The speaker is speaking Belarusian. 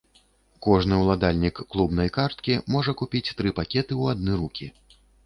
Кожны ўладальнік клубнай карткі можа купіць тры пакеты ў адны рукі.